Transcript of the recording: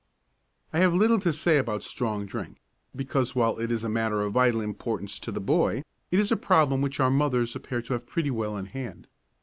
I have little to say about strong drink, because, while it is a matter of vital importance to the boy, it is a problem which our mothers appear to have pretty well in hand.